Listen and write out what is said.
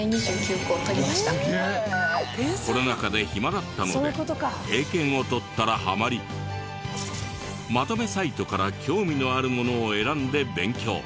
コロナ禍で暇だったので英検を取ったらハマりまとめサイトから興味のあるものを選んで勉強。